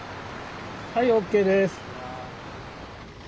はいＯＫです。